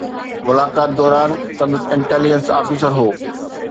ملاقات دوران سندس انٽيليجنس آفيسر هو